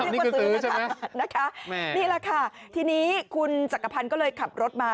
นี่คือซื้อใช่ไหมนี่แหละค่ะทีนี้คุณจักรพันค์ก็เลยขับรถมา